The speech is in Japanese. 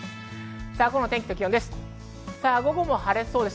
午後の天気と気温です。